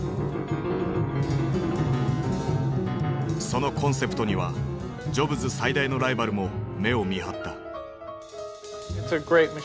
そのコンセプトにはジョブズ最大のライバルも目をみはった。